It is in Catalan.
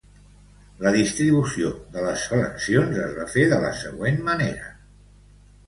La distribució de les seleccions es va fer de la següent manera.